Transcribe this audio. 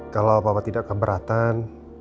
kalau papa tidak keberatan